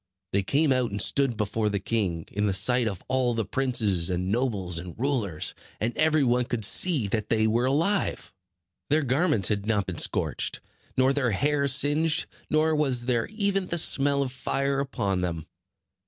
They came out and stood before the king, in the sight of all the princes, and nobles, and rulers; and every one could see that they were alive. Their garments had not been scorched, nor their hair singed, nor was there even the smell of fire upon them.